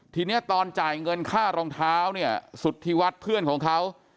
ทีนี้ตอนจ่ายเงินค่ารองเท้าเนี่ยสุธิวัฒน์เพื่อนของเขา